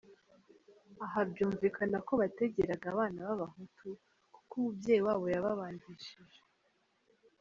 Aha byumvikana ko bategeraga abana b’Abahutu, kuko umubyeyi wabo yababangishije!